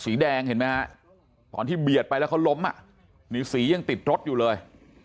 สีแดงเห็นไหมฮะตอนที่เบียดไปแล้วเขาล้มอ่ะนี่สียังติดรถอยู่เลย